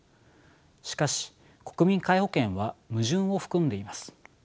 しかし国民皆保険は矛盾を含んでいます。